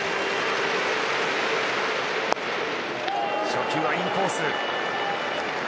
初球はインコース。